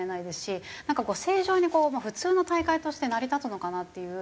なんか正常に普通の大会として成り立つのかなっていう。